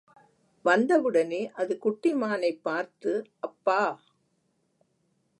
வந்தவுடனே அது குட்டி மானைப் பார்த்து, அப்பா!